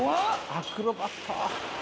アクロバット。